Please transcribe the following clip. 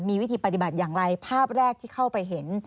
มีวิธีปฏิบัติอย่างไรภาพแรกที่เข้าไปเห็น